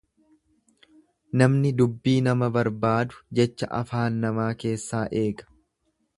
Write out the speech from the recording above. Namni dubbii nama barbaadu jecha afaan namaa keessaa eega.